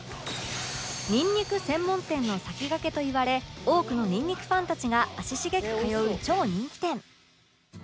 にんにく専門店の先駆けといわれ多くのにんにくファンたちが足しげく通う超人気店